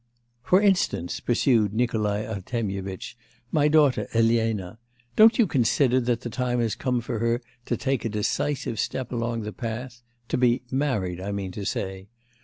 'For instance,' pursued Nikolai Artemyevitch, 'my daughter Elena. Don't you consider that the time has come for her to take a decisive step along the path to be married, I mean to say.